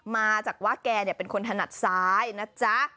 มาจากว่าแกเป็นคนถนัดซ้ายนะจ๊ะ